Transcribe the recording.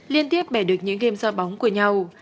liên tiếp bẻ được những game do bóng của nhau